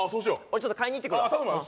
俺ちょっと買いに行ってくるわあ